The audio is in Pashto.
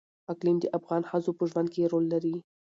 اقلیم د افغان ښځو په ژوند کې رول لري.